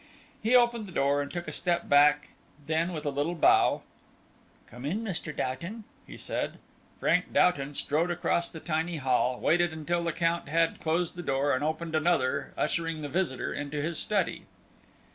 He opened the door, and took a step back, then with a little bow: "Come in, Mr. Doughton," he said. Frank Doughton strode across the tiny hall, waited until the Count had closed the door, and opened another, ushering the visitor into his study.